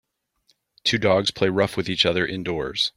Two dogs play rough with each other indoors.